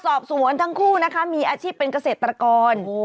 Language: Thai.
สอบสวนทั้งคู่นะคะมีอาชีพเป็นเกษตรกร